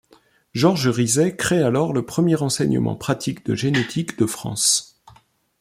Georges Rizet crée alors le premier enseignement pratique de génétique de France.